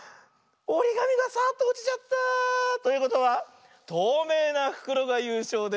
おりがみがサーッとおちちゃった。ということはとうめいなふくろがゆうしょうです。